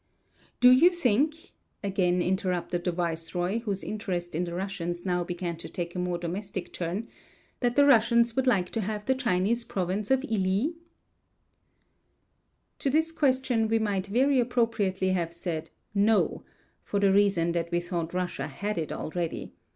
"Do you think," again interrupted the viceroy, whose interest in the Russians now began to take a more domestic turn, "that the Russians would like to have the Chinese province of Hi?" To this question we might very appropriately have said, "No"; for the reason that we thought Russia had it already.